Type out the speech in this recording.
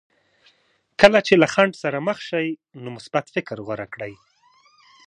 کله چې له خنډ سره مخ شئ نو مثبت فکر غوره کړئ.